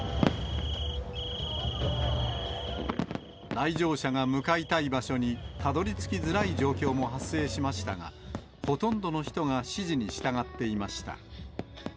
来場者が向かいたい場所にたどりつきづらい状況も発生しましたが、ほとんどの人が指示に従っていました。